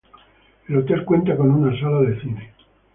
El hotel cuenta con una sala de cine.